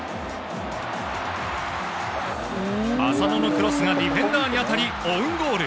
浅野のクロスがディフェンダーに当たりオウンゴール。